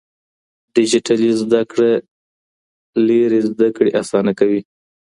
ډيجيټلي زده کړه لرې زده کړې اسانه کوي.